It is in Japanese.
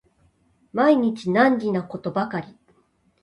毎日難儀なことばかり